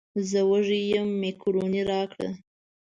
زه وږی یم مېکاروني راکړه.